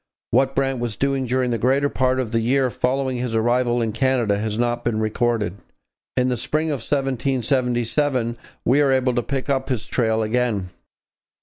What Brant was doing during the greater part of the year following his arrival in Canada has not been recorded. In the spring of 1777 we are able to pick up his trail again.